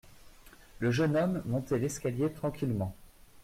Le jeune homme montait l’escalier tranquillement.